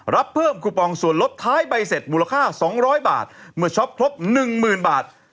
รับเพิ่มคูปองส่วนลดท้ายใบเสร็จมูลค่า๒๐๐บาทเมื่อช็อปครบ๑๐๐๐บาท